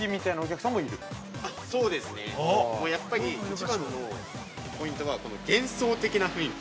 一番のポイントは幻想的な雰囲気。